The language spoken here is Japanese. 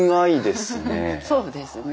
そうですね。